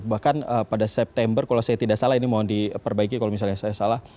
bahkan pada september kalau saya tidak salah ini mau diperbaiki kalau misalnya saya salah